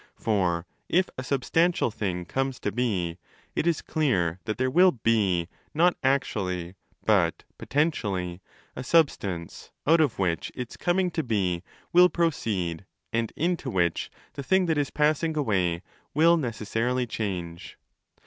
For if a substantial thing comes to be, it is clear that there will 'be' (not actually, but potentially) a substance, out of which its coming to be will proceed and into which the thing that is passing away will necessarily change.